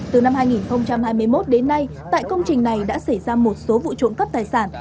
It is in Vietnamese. từ năm hai nghìn hai mươi một đến nay tại công trình này đã xảy ra một số vụ trộm cắp tài sản